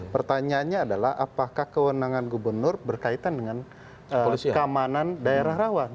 pertanyaannya adalah apakah kewenangan gubernur berkaitan dengan keamanan daerah rawan